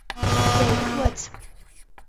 Jei kruoc.